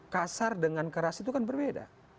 kasar dengan keras itu kan berbeda